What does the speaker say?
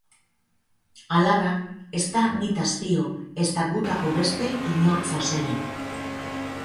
Hala da, ez da nitaz fio, ezta gutako beste inortxoz ere.